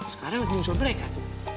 sekarang lagi musuh mereka tuh